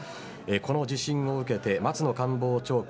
この地震を受けて松野官房長官